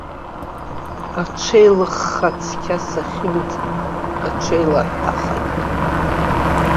Аҽеилыхха цқьа сахьымӡеит, аҽеилаҳәахагь.